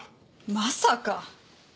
まさか。